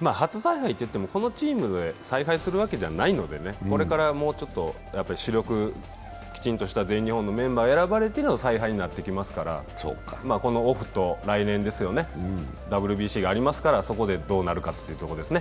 初采配といっても、このチームで采配するわけではないのでこれからもうちょっと、主力、きちんとしたメンバーが選ばれての采配になってきますから、このオフと来年、ＷＢＣがありますから、そこでどうなるかということですね。